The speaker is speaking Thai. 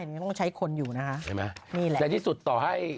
ยังต้องใช้คนอยู่นะคะใช่ไหมนี่แหละในที่สุดต่อให้